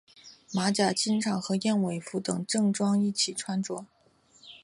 马甲经常和燕尾服等正装一并穿着。